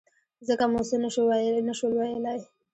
ځکه مو څه نه شول ویلای.